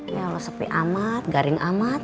ya kalau sepi amat garing amat